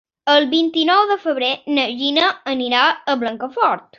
El vint-i-nou de febrer na Gina anirà a Blancafort.